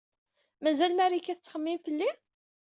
Mazal Marika tettxemmim fell-i?